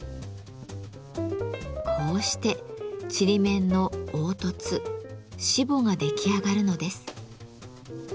こうしてちりめんの凹凸しぼが出来上がるのです。